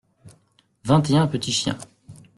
Vingt et un petits chiens.